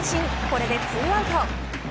これで２アウト。